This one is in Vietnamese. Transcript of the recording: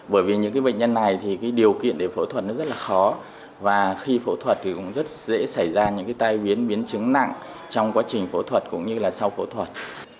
bởi vì những bệnh nhân này thì điều kiện để phẫu thuật nó rất là khó và khi phẫu thuật thì cũng rất dễ xảy ra những tai biến biến chứng nặng trong quá trình phẫu thuật cũng như là sau phẫu thuật